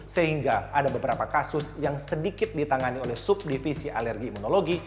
sehingga ada beberapa kasus yang sedikit ditangani oleh subdivisi alergi imunologi